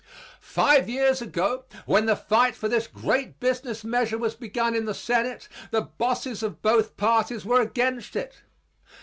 Five years ago, when the fight for this great business measure was begun in the Senate the bosses of both parties were against it.